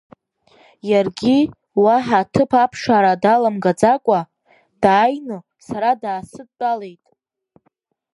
Иаргьы, уаҳа аҭыԥ аԥшаара даламгаӡакәа, дааины сара даасыдтәалеит.